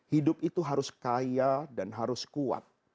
hidup itu harus kaya dan harus kuat